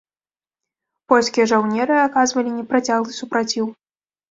Польскія жаўнеры аказвалі непрацяглы супраціў.